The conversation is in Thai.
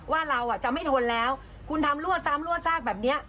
ว่าเราจะไม่ทนแล้วคุณทำรั่วซ้ำรั่วซากแบบนี้